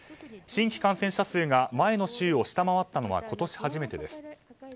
新規感染者数が前の週を下回ったのは今年初めてです。